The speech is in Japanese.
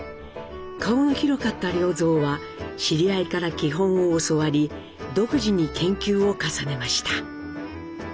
顔の広かった良三は知り合いから基本を教わり独自に研究を重ねました。